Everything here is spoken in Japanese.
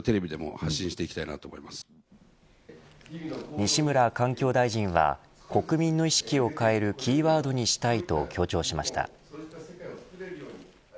西村環境大臣は国民の意識を変えるキーワードにしたいと強調しました。